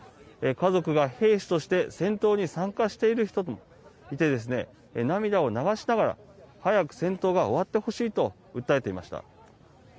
家族が兵士として戦闘に参加している人もいて涙を流しながら早く戦闘が終わってほしいと訴えていました。